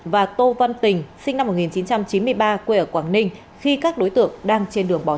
và tô văn tình sinh năm một nghìn chín trăm chín mươi ba quê ở quảng ninh khi các đối tượng đang trên đường bỏ trốn